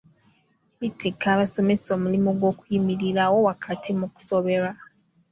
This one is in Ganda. Bitikka abasomesa omulimu gw’okuyimirirawo wakati mu kusoberwa.